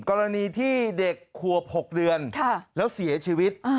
กรณีที่เด็กขวบ๖เดือนแล้วเสียชีวิต